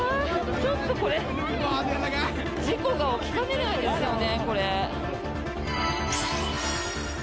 ちょっとこれ事故が起きかねないですよね。